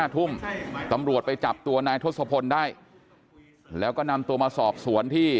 ตำรวจไปจับตัวนายทศพลได้แล้วก็นำตัวมาสอบสวนที่